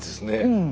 うん。